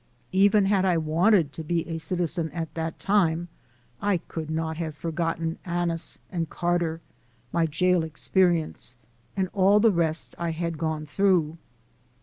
Even had I wanted to be a citizen at that time, I could not have forgotten Annis and Carter, my jail experience, and all the rest that I had gone through.